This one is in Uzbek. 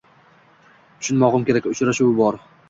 Tushunmog’im kerak, uchrashuvi bor